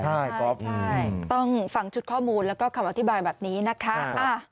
ใช่ก๊อฟใช่ต้องฟังชุดข้อมูลแล้วก็คำอธิบายแบบนี้นะคะ